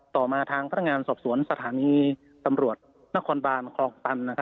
ต่อมาทางพนักงานสอบสวนสถานีตำรวจนครบานคลองตัน